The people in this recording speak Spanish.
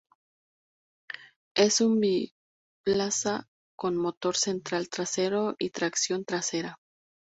Es un biplaza, con motor central trasero y tracción trasera.